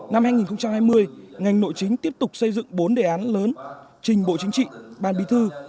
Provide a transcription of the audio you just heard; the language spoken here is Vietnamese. năm hai nghìn hai mươi ngành nội chính tiếp tục xây dựng bốn đề án lớn trình bộ chính trị ban bí thư